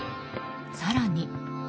更に。